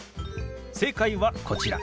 正解はこちら。